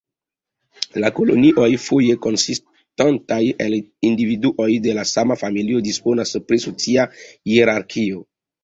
La kolonioj, foje konsistantaj el individuoj de la sama familio, disponas pri socia hierarkio.